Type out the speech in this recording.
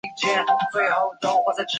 沙尔蒂扎克人口变化图示